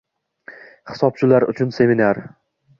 Hisobchilar uchun seminar